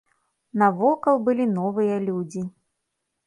Навокал былі новыя людзі.